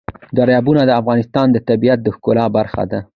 دریابونه د افغانستان د طبیعت د ښکلا برخه ده.